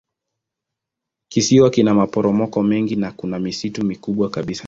Kisiwa kina maporomoko mengi na kuna misitu mikubwa kabisa.